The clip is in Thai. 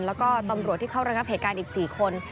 แล้วก็ตำรวจที่เข้าระงับเหตุการณ์อีก๔คน